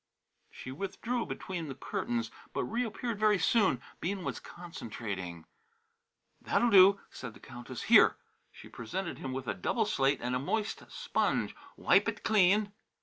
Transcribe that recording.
She withdrew between the curtains, but reappeared very soon. Bean was concentrating. "That'll do," said the Countess. "Here!" She presented him with a double slate and a moist sponge. "Wipe it clean."